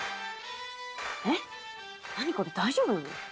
えっ何これ大丈夫なの？